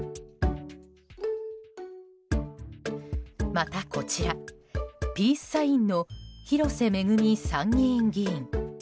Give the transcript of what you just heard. またこちら、ピースサインの広瀬めぐみ参議院議員。